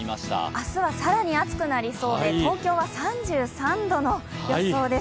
明日は更に暑くなりそうで東京は３３度の予想です。